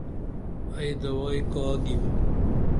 ائی دوائی کا گِیم؟